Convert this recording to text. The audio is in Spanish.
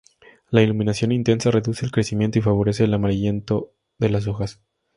La iluminación intensa reduce el crecimiento y favorece el amarillento de las hojas.